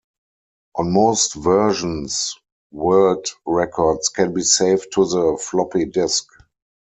On most versions, world records can be saved to the floppy disk.